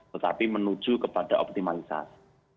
tetapi menuju kepada optimalisasi